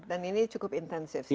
dan ini cukup intensif sih